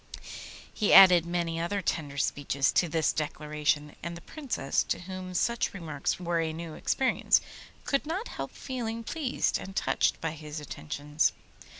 He added many other tender speeches to this declaration, and the Princess, to whom such remarks were a new experience, could not help feeling pleased and touched by his attentions.